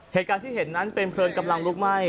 เหตุการณ์ที่เห็นนั้นเป็นเพลิงกำลังลุกไหม้